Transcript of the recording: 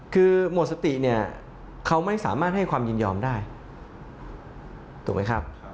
คือหมดสติเนี่ยเขาไม่สามารถให้ความยินยอมได้ถูกไหมครับ